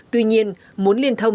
tuy nhiên muốn liên thông